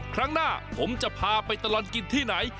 ครั้งหน้าผมจะพาไปตลอดกินที่ไหน